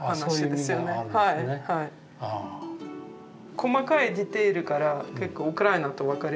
細かいディテールから結構ウクライナと分かりますよ。